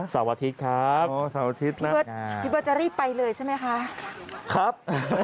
เสาร์อาทิตย์ครับพี่เบิร์ตจะรีบไปเลยใช่ไหมคะครับ